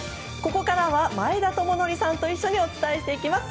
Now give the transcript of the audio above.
ここからは前田智徳さんと一緒にお伝えしていきます。